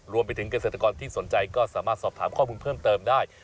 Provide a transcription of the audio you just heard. รวมไปถึงเกษตรกรที่สนใจก็สามารถสอบถามข้อมูลเพิ่มเติมได้